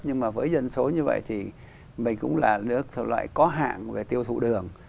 nhưng mà với dân số như vậy thì mình cũng là nước thực loại có hạng về tiêu thụ đường